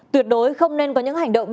tuyệt đối không nên có những hành động